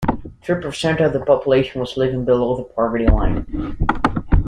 Three percent of the population was living below the poverty line.